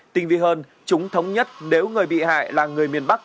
tinh vi hơn chúng thống nhất nếu người bị hại là người miền bắc